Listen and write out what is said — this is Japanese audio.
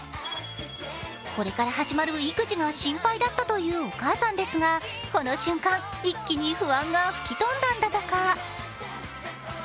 これから始まる育児が心配だったというお母さんですが、この瞬間、一気に不安が吹き飛んだんだとか。